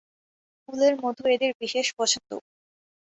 ফুলের মধু এদের বিশেষ পছন্দ।